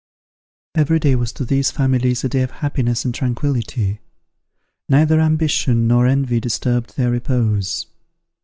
Every day was to these families a day of happiness and tranquillity. Neither ambition nor envy disturbed their repose.